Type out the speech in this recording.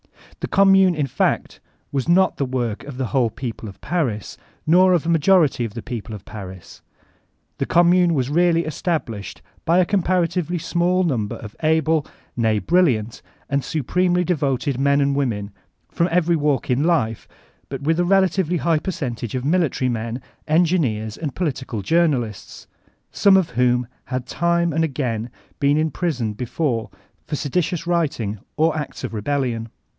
The Q)mmune, in fact, was not the woric of the whole people of Paris, nor of a majority of the people of Paris. The Gnnmune was reaOy estab lished by a comparatively small number of able, nay brilliant, and supremely devoted men and women from every walk in life, but with a relatively high percentage of military men, engineers, and political journalists, some of whom had time and again been in prison before for seditious writing or acts of rebellion.